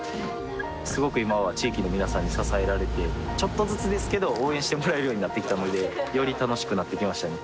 すごく今は地域の皆さんに支えられてちょっとずつですけど応援してもらえるようになってきたのでより楽しくなってきましたね